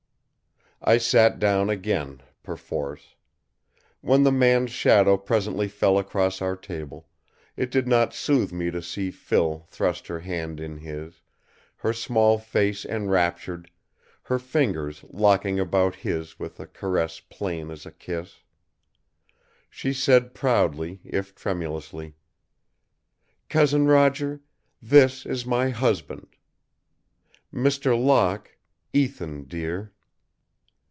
I sat down again, perforce. When the man's shadow presently fell across our table, it did not soothe me to see Phil thrust her hand in his, her small face enraptured, her fingers locking about his with a caress plain as a kiss. She said proudly, if tremulously: "Cousin Roger, this is my husband. Mr. Locke, Ethan dear."